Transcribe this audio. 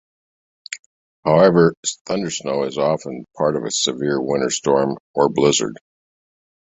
However, thundersnow is often a part of a severe winter storm or blizzard.